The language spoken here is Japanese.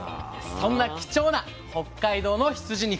そんな貴重な北海道の羊肉。